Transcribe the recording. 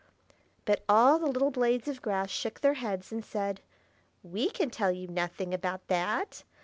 But all the little blades of grass shook their heads, and said, "We can tell you nothing about that.